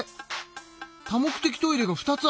多目的トイレが２つある。